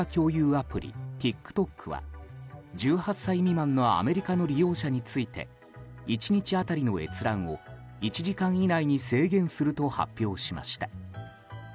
アプリＴｉｋＴｏｋは１８歳未満のアメリカの利用者について１日当たりの閲覧を１時間以内に制限すると発表しました。